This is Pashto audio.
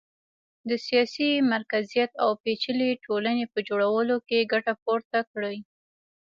د سیاسي مرکزیت او پېچلې ټولنې په جوړولو کې ګټه پورته کړي